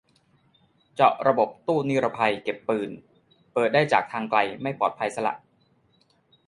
เจาะระบบตู้นิรภัยเก็บปืน เปิดได้จากทางไกล ไม่ปลอดภัยซะละ